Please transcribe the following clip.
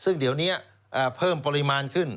ซึ่งเดี๋ยวนี้เพิ่มปริมาณขึ้น